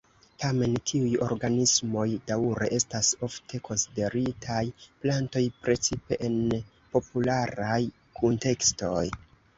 Tamen, tiuj organismoj daŭre estas ofte konsideritaj plantoj, precipe en popularaj kuntekstoj.